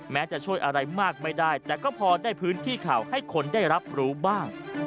จะช่วยอะไรมากไม่ได้แต่ก็พอได้พื้นที่ข่าวให้คนได้รับรู้บ้าง